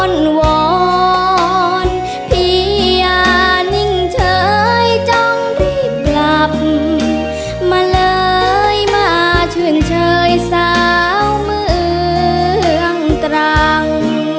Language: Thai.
อ้อนวอนพี่ยานิ่งเฉยจองที่กลับมาเลยมาเชื่อนเฉยสาวเมืองตรัง